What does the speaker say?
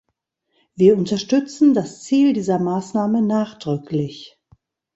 Wir unterstützen das Ziel dieser Maßnahme nachdrücklich.